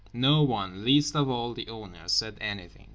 No one, least of all the owner, said anything.